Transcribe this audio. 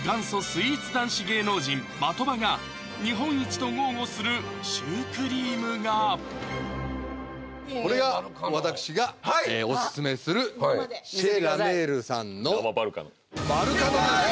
スイーツ男子芸能人・的場が日本一と豪語するシュークリームがこれが私がオススメするシェ・ラ・メールさんのバルカノです！